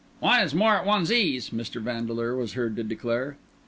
"One is more at one's ease," Mr. Vandeleur was heard to declare.